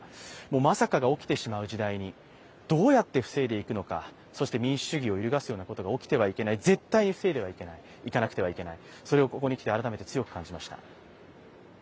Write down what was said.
まさかが起きてしまう時代にどうやって防いでいくのか、そして民主主義を揺るがすようなことが起きてはいけない絶対に防いでいかなくてはいけないそれをここに来て、改めて強く感じました。